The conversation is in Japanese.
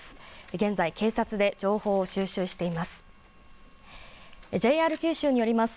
現在、警察で情報を収集しています。